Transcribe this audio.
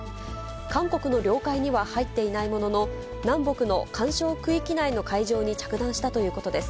韓国の領海には入っていないものの、南北の緩衝区域内の海上に着弾したということです。